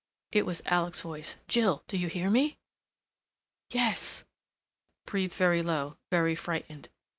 It was Alec's voice. "Jill—do you hear me?" "Yes—" breathed very low, very frightened.